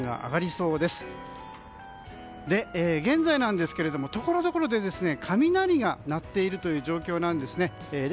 そして、現在なんですけれどもところどころで雷が鳴っているという状況なんですね。